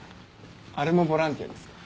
あれもボランティアですか？